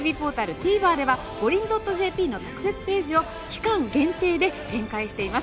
Ｔｖｅｒではｇｏｒｉｎ．ｊｐの特設ページを期間限定で展開しています。